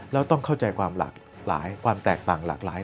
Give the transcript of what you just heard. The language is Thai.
แล้วต้องเข้าใจความหลากหลายความแตกต่างหลากหลาย